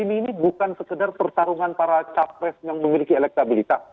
ini bukan sekedar pertarungan para capres yang memiliki elektabilitas